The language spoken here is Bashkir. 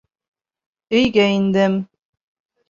Өйгә индем.